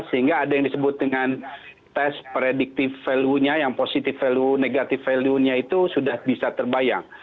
sehingga ada yang disebut dengan tes predictive value nya yang positif value negatif value nya itu sudah bisa terbayang